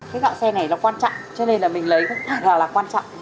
cái gạo sen này nó quan trọng cho nên là mình lấy gạo sen là quan trọng